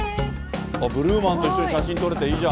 ブルーマンと一緒に写真撮れていいな。